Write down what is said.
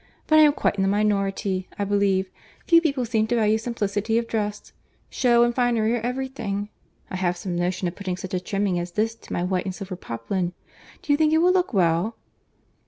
But I am quite in the minority, I believe; few people seem to value simplicity of dress,—show and finery are every thing. I have some notion of putting such a trimming as this to my white and silver poplin. Do you think it will look well?"